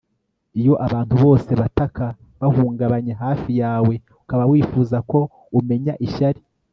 iyo abantu bose bataka bahungabanye hafi yawe, ukaba wifuza ko umenya ishyari